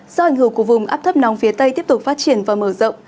do ảnh hưởng của vùng áp thấp nóng phía tây tiếp tục phát triển và mở rộng